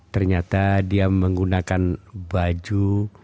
ternyata dia menggunakan baju